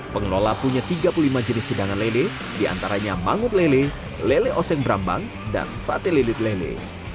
pengelola punya tiga puluh lima jenis hidangan lele diantaranya mangut lele lele oseng brambang dan sate lelet lele